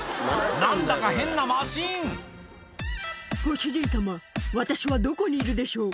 何だか変なマシン「ご主人様私はどこにいるでしょう」